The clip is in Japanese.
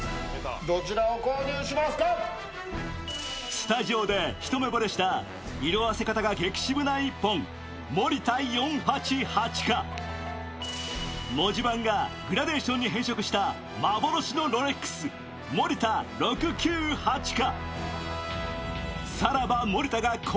スタジオで一目ぼれした色あせ方が激渋な一本、森田４８８か、文字盤がグラデーションに変色した幻のロレックス、森田６９８か。